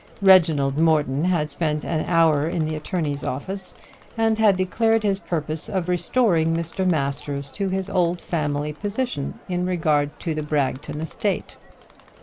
Reginald Morton had spent an hour in the attorney's office, and had declared his purpose of restoring Mr. Masters to his old family position in regard to the Bragton estate.